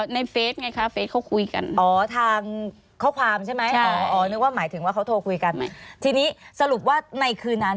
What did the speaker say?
ในเฟซไงคะเฟซเขาคุยกัน